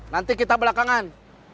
nanti kita belakangan